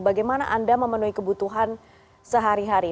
bagaimana anda memenuhi kebutuhan sehari hari